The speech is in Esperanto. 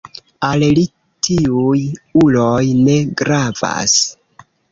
Al li tiuj uloj ne gravas.